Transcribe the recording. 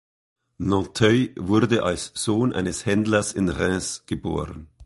Nanteuil wurde als Sohn eines Händlers in Reims geboren.